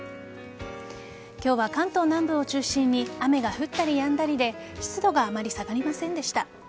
今日は関東南部を中心に雨が降ったりやんだりで湿度があまり下がりませんでした。